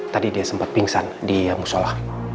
tadi dia sempat pingsan di musola